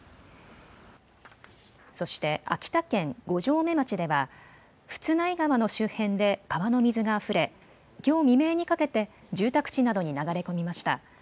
そして秋田県五城目町では富津内川の周辺で川の水があふれきょう未明にかけて住宅地などに流れ込みました。